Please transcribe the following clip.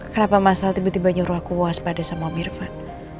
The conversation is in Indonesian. kenapa mas al tiba tiba nyuruh aku waspadai sama om irfan